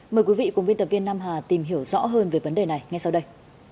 mời quý vị cùng viên tập viên nam hà tìm hiểu rõ hơn về vấn đề này ngay sau đây